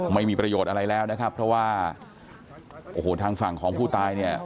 ไม่มีประโยชน์อะไรแล้วนะครับเพราะว่าโอ้โหทางฝั่งของผู้ตายเนี่ย